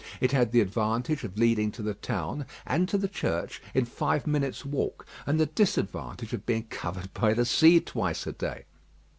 It had the advantage of leading to the town and to the church in five minutes' walk, and the disadvantage of being covered by the sea twice a day.